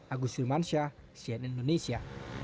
agus wilmansya cnn indonesia